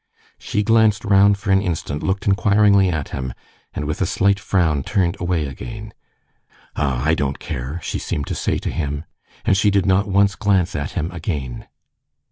She glanced round for an instant, looked inquiringly at him, and with a slight frown turned away again. "Ah, I don't care!" she seemed to say to him, and she did not once glance at him again.